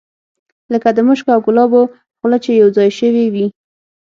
لکه د مشکو او ګلابو خوله چې یو ځای شوې وي.